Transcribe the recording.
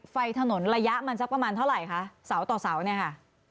ไฟถนนระยะมันสักประมาณเท่าไหร่คะเสาต่อเสาเนี่ยค่ะ